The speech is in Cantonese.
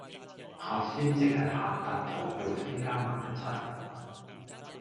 核酸即係核突同肉酸加埋一齊